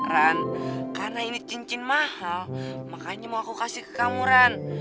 ran karena ini cincin mahal makanya mau aku kasih ke kamu ran